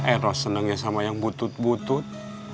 eh ros senengnya sama yang butut butut